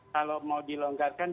kalau mau dilonggarkan